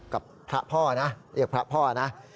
กับพระพ่อนะเรียกพระพ่อนะ